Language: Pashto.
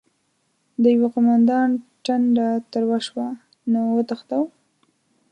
د يوه قوماندان ټنډه تروه شوه: نو وتښتو؟!